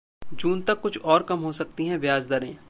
‘जून तक कुछ और कम हो सकती हैं ब्याज दरें'